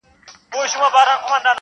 همېشه پر حیوانانو مهربان دی,